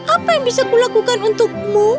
apa yang bisa kulakukan untukmu